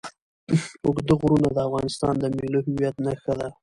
اوږده غرونه د افغانستان د ملي هویت نښه ده.